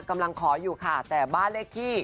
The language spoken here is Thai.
กำลังขออยู่ค่ะแต่บ้านเลขที่